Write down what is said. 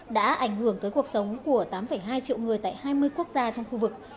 đã ảnh hưởng tới cuộc sống của tám hai triệu người tại hai mươi quốc gia trong khu vực